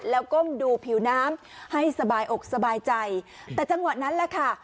แล้วก้มดูผิวน้ำให้สบายอกสบายใจแต่จังหวะนั้นแหละค่ะ